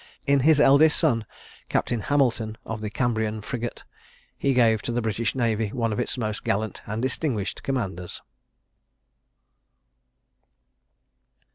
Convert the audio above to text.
In his eldest son, Captain Hamilton, of the Cambrian frigate, he gave to the British navy one of its most gallant and distinguished commanders.